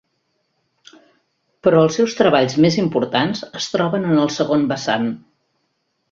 Però els seus treballs més importants es troben en el segon vessant.